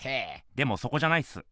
でもそこじゃないっす。